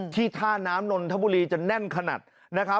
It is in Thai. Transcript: ท่าน้ำนนทบุรีจะแน่นขนาดนะครับ